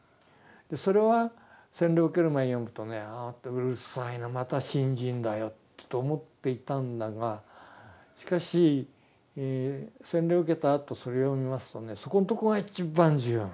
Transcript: それは洗礼を受ける前に読むとねああうるさいなまた信心だよと思っていたんだがしかし洗礼を受けたあとそれ読みますとねそこんとこが一番重要なんです。